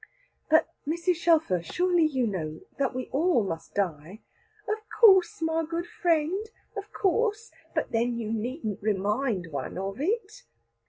"But, Mrs. Shelfer, surely you know that we all must die." "Of course, my good friend, of course. But then you needn't remind one of it.